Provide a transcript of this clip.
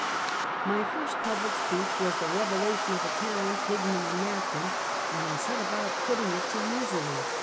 Mt first public speech was the revelation of a talent hidden in a napkin, and I set about putting it to us ury.